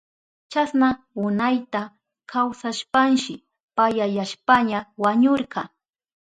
Chasna unayta kawsashpanshi payayashpaña wañurka.